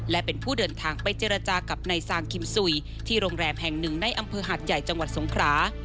และเป็นผู้เดินทางไปเจรจากับนายซางคิมสุยที่โรงแรมแห่งหนึ่งในอำเภอหาดใหญ่จังหวัดสงครา